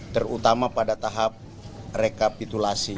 terutama pada tahap rekapitulasi